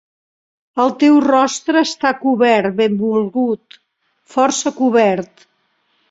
El teu rostre està cobert, benvolgut, força cobert.